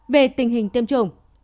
về tình hình tiêm chủng